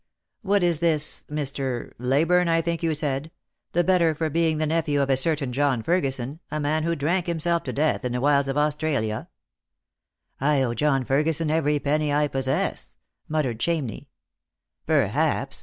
What is this Mr. — Leyburne, I thin] you said, the better for being the nephew of a certain John Fer guson, a man who drank himself to death in the wilds of Aus tralia?" "I owe John Ferguson every penny I possess," muttered Chamney. " Perhaps.